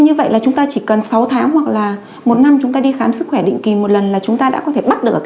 như vậy là chúng ta chỉ cần sáu tháng hoặc là một năm chúng ta đi khám sức khỏe định kỳ một lần là chúng ta đã có thể bắt được